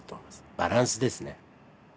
バランスですね。